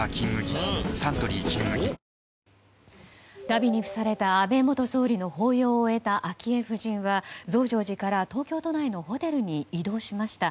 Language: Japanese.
だびに付された安倍元総理の法要を終えた昭恵夫人は増上寺から東京都内のホテルに移動しました。